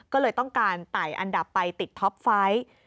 ก็เลยต้องการไต่อันดับไปติดท็อปไฟต์